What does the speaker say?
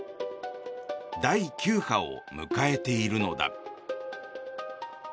第９波を迎えているのだ。